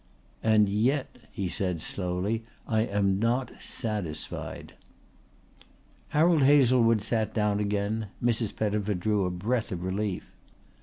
"And yet," he said slowly, "I am not satisfied." Harold Hazlewood sat down again. Mrs. Pettifer drew a breath of relief.